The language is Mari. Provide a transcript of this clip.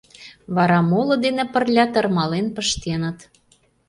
Вара моло дене пырля тырмален пыштеныт.